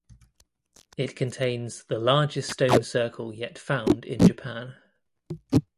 It contains the largest stone circle yet found in Japan.